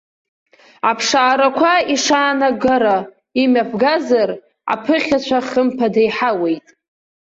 Аԥшаарақәа ишаанагара имҩаԥгазар, аԥыхьашәа хымԥада иҳауеит.